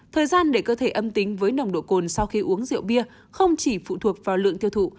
thời gian để cơ thể âm tính với nồng độ cồn sau khi uống rượu bia không chỉ phụ thuộc vào lượng tiêu thụ